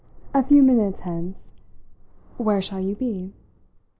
A few minutes hence. Where shall you be?"